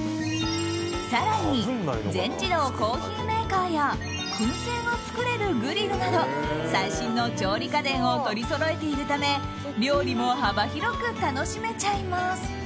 更に全自動コーヒーメーカーや燻製が作れるグリルなど最新の調理家電を取りそろえているため料理も幅広く楽しめちゃいます。